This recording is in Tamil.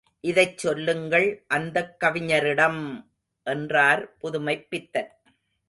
இதைச் சொல்லுங்கள் அந்தக் கவிஞரிடம்! என்றார் புதுமைப் பித்தன்.